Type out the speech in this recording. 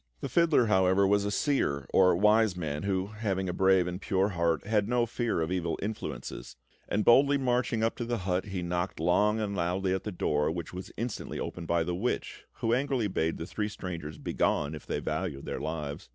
The fiddler, however, was a seer, or wise man, who, having a brave and pure heart, had no fear of evil influences; and boldly marching up to the hut, he knocked long and loudly at the door, which was instantly opened by the witch, who angrily bade the three strangers begone if they valued their lives.